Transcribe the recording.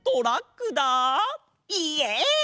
イエイ！